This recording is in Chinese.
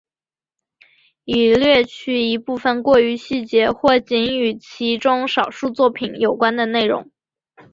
已略去一部分过于细节或仅与其中少数作品有关的内容。